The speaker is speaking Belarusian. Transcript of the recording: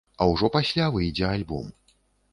А ўжо пасля выйдзе альбом.